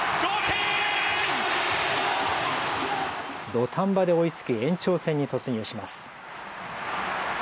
土壇場で追いつき延長戦に突入します。